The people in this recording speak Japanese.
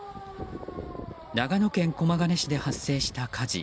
長野県駒ヶ根市で発生した火事。